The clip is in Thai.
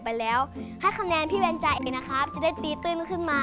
ทีมที่ชนะคือทีม